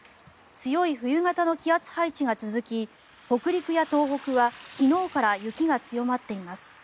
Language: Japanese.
強い冬型の気圧配置が続き北陸や東北は昨日から雪が強まっています。